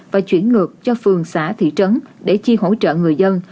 và chuyển ngược cho phường xã thị trấn để chi hỗ trợ người dân